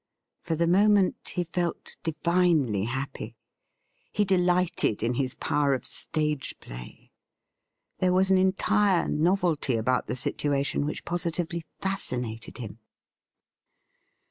For the moment he felt divinely happy. He delighted in his power of stage play. There was an entire novelty about the situation which positively fascinated him.